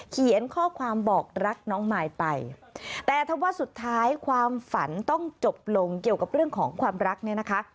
เขียนข้อความบอกรักน้องมายไปแต่ถ้าว่าสุดท้ายความฝันต้องจบลงเกี่ยวกับเรื่องของความรักเนี่ยนะคะ